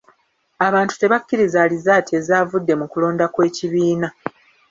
Abantu tebakkiriza alizaati ezavudde mu kulonda kw'ekibiina.